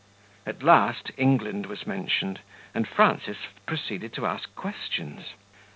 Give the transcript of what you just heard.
At last England was mentioned, and Frances proceeded to ask questions.